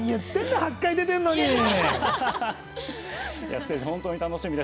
８回出てるのに！